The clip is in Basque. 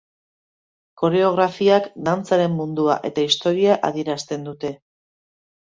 Koreografiak dantzaren mundua eta historia adierazten dute.